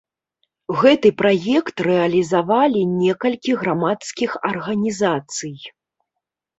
Гэты праект рэалізавалі некалькі грамадскіх арганізацый.